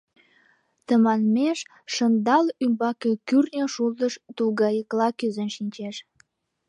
Тыманмеш шандал ӱмбаке кӱртньӧ шултыш тулгайыкла кӱзен шинчеш.